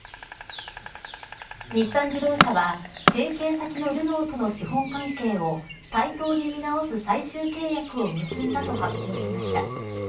日産自動車は提携先のルノーとの資本関係を対等に見直す最終契約を結んだと発表しました。